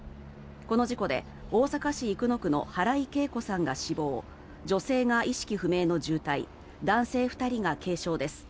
この事故で大阪市生野区の原井恵子さんが死亡女性が意識不明の重体男性２人が軽傷です。